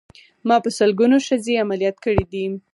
ما په سلګونو ښځې عمليات کړې دي.